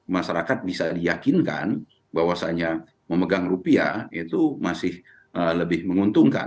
masyarakat bisa diyakinkan bahwasannya memegang rupiah itu masih lebih menguntungkan